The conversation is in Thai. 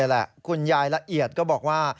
แหละคุณยายละเอียดก็บอกว่า